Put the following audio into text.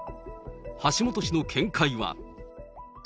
橋下氏の見解は。